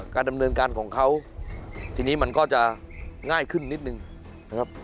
การดำเนินการของเขาทีนี้มันก็จะง่ายขึ้นนิดนึงนะครับ